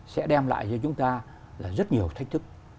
sẽ đem lại cho chúng ta là rất nhiều thách thức